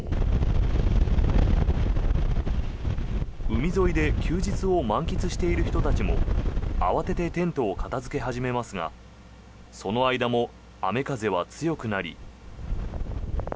海沿いで休日を満喫している人たちも慌ててテントを片付け始めますがその間も雨、風は強くなり。